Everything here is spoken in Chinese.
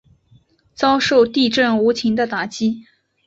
遭受地震无情的打击